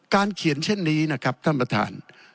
เขียนเช่นนี้นะครับท่านประธาน